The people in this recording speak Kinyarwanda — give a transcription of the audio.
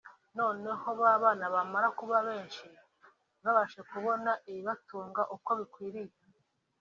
noneho babana bamara kuba benshi ntibabashe kubona ibibatunga uko bikwiriye